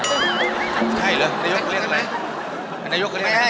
ใช่หรือนายก็เรียกอะไร